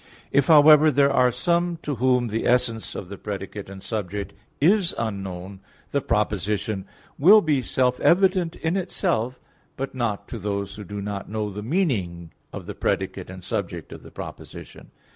If, however, there are some to whom the essence of the predicate and subject is unknown, the proposition will be self evident in itself, but not to those who do not know the meaning of the predicate and subject of the proposition.